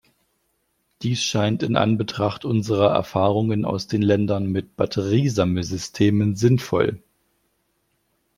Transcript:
Dies scheint in Anbetracht unserer Erfahrungen aus den Ländern mit Batteriesammelsystemen sinnvoll.